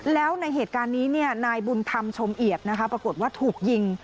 แล้วในเหตุการณ์นี้นายบุญธรรมชมเอียดนะคะปรากฏว่าถูกยิง